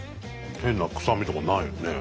変な臭みとかないよね。